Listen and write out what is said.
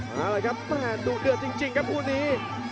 เอาเลยครับดูเดือดจริงครับผู้นี้